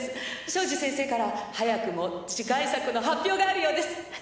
庄司先生から早くも次回作の発表があるようです。